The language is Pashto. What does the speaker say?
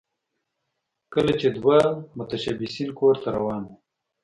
کله چې دوه متشبثین کور ته روان وو